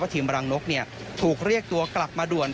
ว่าทีมรังนกเนี่ยถูกเรียกตัวกลับมาด่วน